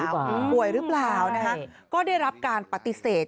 ป่วยรึเปล่าป่วยรึเปล่านะครับก็ได้รับการปฏิเสธ